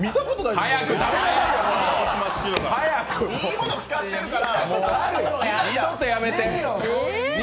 いいものを使ってるから。